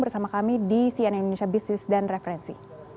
bersama kami di cnn indonesia business dan referensi